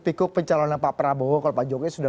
pikuk pencalonan pak prabowo kalau pak jokowi sudah